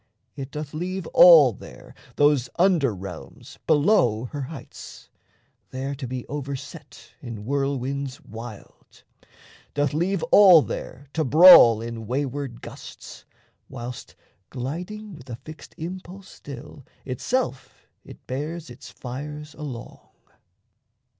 It doth leave All there those under realms below her heights There to be overset in whirlwinds wild, Doth leave all there to brawl in wayward gusts, Whilst, gliding with a fixed impulse still, Itself it bears its fires along.